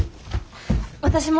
私も。